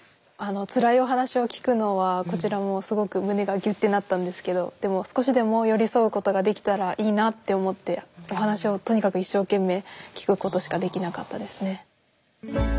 つらいお話を聞くのはこちらもすごく胸がぎゅってなったんですけどでも少しでも寄り添うことができたらいいなって思ってお話をとにかく一生懸命聞くことしかできなかったですね。